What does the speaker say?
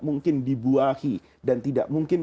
mungkin dibuahi dan tidak mungkin